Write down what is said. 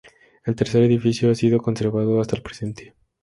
El tercer edificio ha sido conservado hasta el presente.